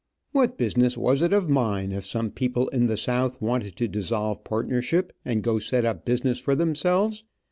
What business was it of mine if some people in the South wanted to dissolve partnership and go set up business for themselves?